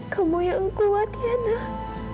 kamu yang kuat ya nak